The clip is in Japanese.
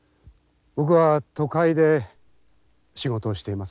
僕は都会で仕事をしています